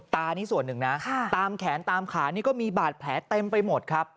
ตานี่ส่วนหนึ่งนะตามแขนตามขานี่ก็มีบาดแผลเต็มไปหมดครับ